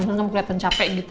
padahal kamu kelihatan capek gitu